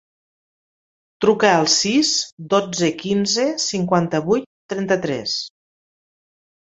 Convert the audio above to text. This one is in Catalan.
Truca al sis, dotze, quinze, cinquanta-vuit, trenta-tres.